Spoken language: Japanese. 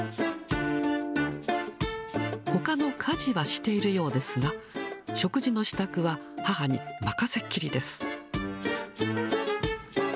ほかの家事はしているようですが、食事の支度は母に任せっきりです。